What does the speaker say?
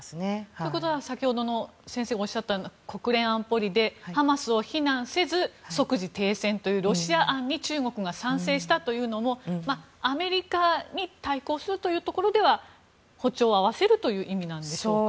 ということは、先ほど先生がおっしゃったような国連安保理でハマスを非難せず即時停戦というロシア案に中国が賛成したというのもアメリカに対抗するというところでは歩調を合わせるという意味なんでしょうか。